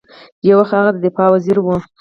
یو وخت هغه د دفاع وزیر ؤ